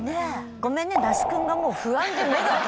ごめんね那須くんがもう不安で目が。